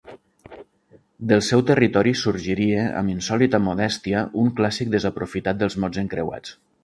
Del seu territori sorgiria amb insòlita modèstia un clàssic desaprofitat dels mots encreuats.